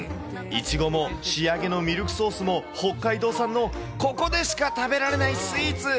いちごも仕上げのミルクソースも、北海道産のここでしか食べられないスイーツ。